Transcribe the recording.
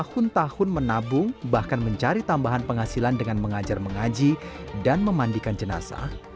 tahun tahun menabung bahkan mencari tambahan penghasilan dengan mengajar mengaji dan memandikan jenazah